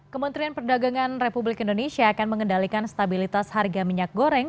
kementerian perdagangan republik indonesia akan mengendalikan stabilitas harga minyak goreng